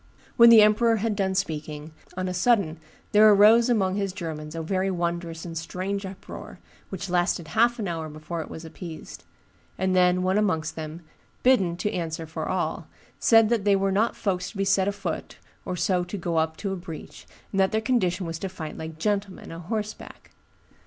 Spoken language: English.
When the emperor had done speaking, on a sudden there arose among his Germans a very wondrous and strange uproar, which lasted half an hour before it was appeased; and then one amongst them, bidden to answer for all, said that they were not folks to be set afoot or so to go up to a breach, and that their condition was to fight like gentlemen, a horseback.